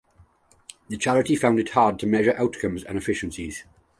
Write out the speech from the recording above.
The charity found it hard to measure outcomes and efficiencies.